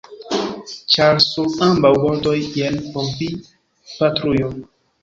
Ĉar sur ambaŭ bordoj jen por vi patrujo.